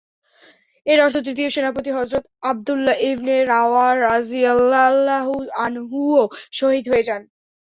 এর অর্থ, তৃতীয় সেনাপতি হযরত আব্দুল্লাহ ইবনে রাওহা রাযিয়াল্লাহু আনহুও শহীদ হয়ে যান।